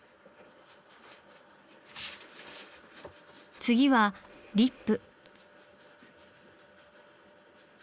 次はリップ。